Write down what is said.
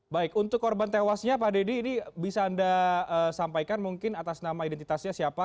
baik untuk korban tewasnya pak deddy ini bisa anda sampaikan mungkin atas nama identitasnya siapa